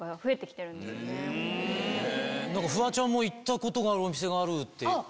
フワちゃんも行ったことがあるお店があるって。